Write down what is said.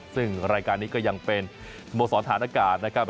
ซึ่งรายการนี้ก็ยังเป็นโมสรฐานอากาศนะครับ